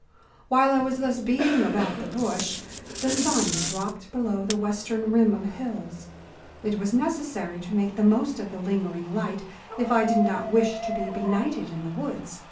While I was thus beating about the bush the sun dropped below the western rim of hills. It was necessary to make the most of the lingering light, if I did not wish to be benighted in the woods.